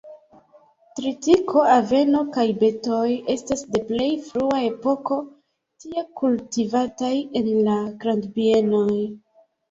Tritiko, aveno kaj betoj estas de plej frua epoko tie kultivataj en la grandbienoj.